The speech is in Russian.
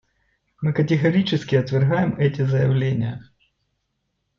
Мы категорически отвергаем эти заявления.